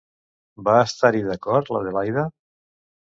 Va estar-hi d'acord, l'Adelaida?